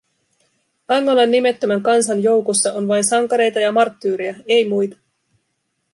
Angolan nimettömän kansan joukossa on vain sankareita ja marttyyreja, ei muita!